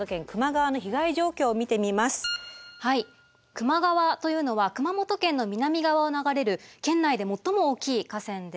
球磨川というのは熊本県の南側を流れる県内で最も大きい河川です。